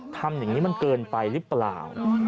ทำอย่างนี้มันเกินไปหรือเปล่า